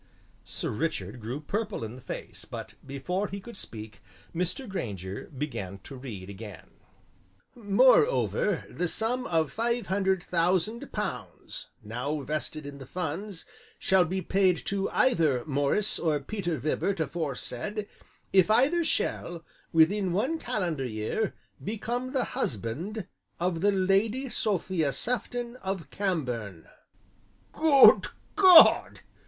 Sir Richard grew purple in the face, but before he could speak, Mr. Grainger began to read again: "'Moreover, the sum of five hundred thousand pounds, now vested in the funds, shall be paid to either Maurice or Peter Vibart aforesaid, if either shall, within one calendar year, become the husband of the Lady Sophia Sefton of Cambourne.'" "Good God!"